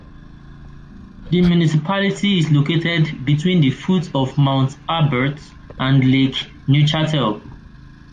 The municipality is located between the foot of Mont-Aubert and Lake Neuchatel.